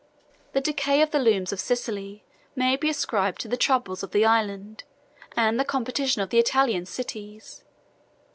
The decay of the looms of Sicily may be ascribed to the troubles of the island, and the competition of the Italian cities.